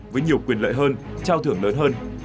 với nhiều quyền lợi hơn trao thưởng lớn hơn